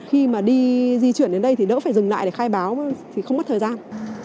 khi mà đi di chuyển đến đây thì đỡ phải dừng lại để khai báo thì không mất thời gian